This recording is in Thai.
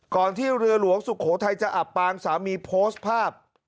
ที่เรือหลวงสุโขทัยจะอับปางสามีโพสต์ภาพ